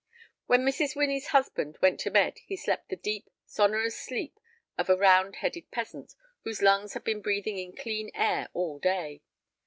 When Mrs. Winnie's husband went to bed he slept the deep, sonorous sleep of a round headed peasant whose lungs had been breathing in clean air all the day.